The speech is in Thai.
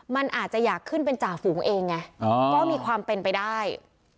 มันอาจจะอยากขึ้นเป็นจ่าฝูงเองไงก็มีความเป็นไปได้